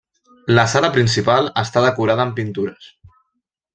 La sala principal està decorada amb pintures.